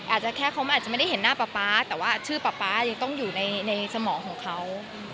อาจจะแค่เขาอาจจะไม่ได้เห็นหน้าป๊าป๊าแต่ว่าชื่อป๊าป๊ายังต้องอยู่ในสมองของเขา